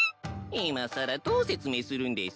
いまさらどう説明するんです。